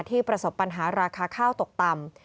ประสบปัญหาราคาข้าวตกต่ำ